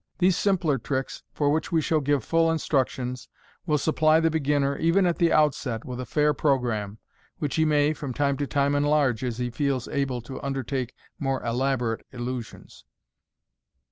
These simpler tricks, for which we shall give full instructions, will supply the beginner, even at the outset, with a fair programme, which he may from time to time enlarge as he feels able to undertake more elaborate illusions.